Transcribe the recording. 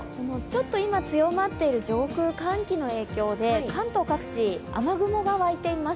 今強まっている上空寒気の影響で関東各地、雨雲が湧いています。